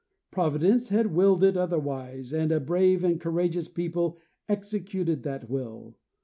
Providence had willed it otherwise, and a brave and courageous people executed that will.